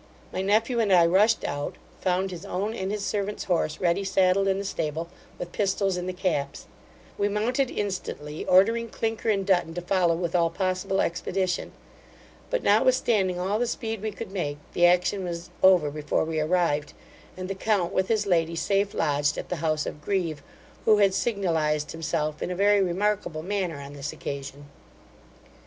My nephew and I rushed out, found his own and his servant's horse ready saddled in the stable, with pistols in the caps We mounted instantly, ordering Clinker and Dutton to follow with all possible expedition; but notwithstanding all the speed we could make, the action was over before we arrived, and the count with his lady, safe lodged at the house of Grieve, who had signalized himself in a very remarkable manner on this occasion.